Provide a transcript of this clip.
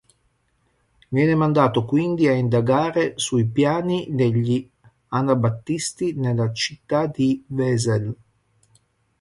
Venne mandato quindi a indagare sui piani degli anabattisti nella città di Wesel.